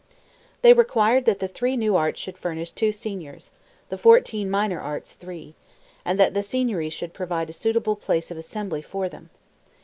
They required that the three new arts should furnish two Signors; the fourteen minor arts, three; and that the Signory should provide a suitable place of assembly for them.